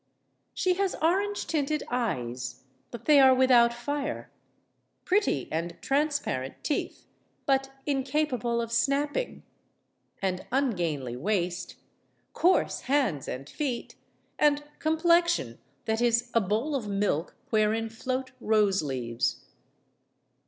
"She has orange tinted eyes, but they are without fire; pretty and transparent teeth, but incapable of snapping; an ungainly waist; coarse hands and feet; and complexion that is a bowl of milk wherein float rose leaves."